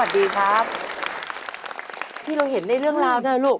ที่เขาไปถ่ายทำมา